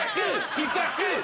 比較